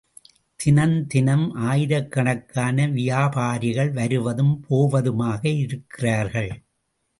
தினந்தினம் ஆயிரக்கணக்கான வியாபாரிகள் வருவதும் போவதுமாக இருக்கிறார்கள்.